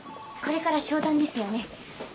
これから商談ですよね？